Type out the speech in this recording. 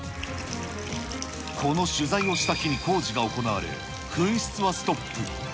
この取材をした日に工事が行われ、噴出はストップ。